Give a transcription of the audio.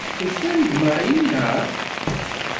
Tufam-d Mary, naɣ?